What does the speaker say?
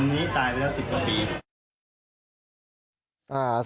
อันนี้ตายไปแล้ว๑๐กว่าปี